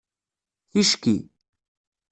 Ticki